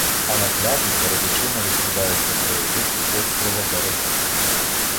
А на пляжі перед очима розкидається краєвид острова Березань